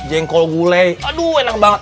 jengkol gulai aduh enak banget